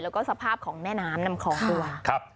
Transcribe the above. แล้วก็สภาพของแน่น้ำนำของดูว่า